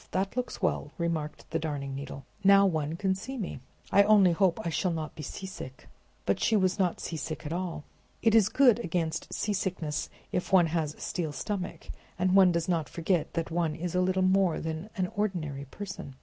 that looks well," remarked the Darning Needle. "Now one can see me. I only hope I shall not be seasick!" But she was not seasick at all. "It is good against seasickness, if one has a steel stomach, and does not forget that one is a little more than an ordinary person!